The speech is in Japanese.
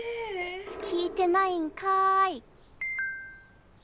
聞いてないんかい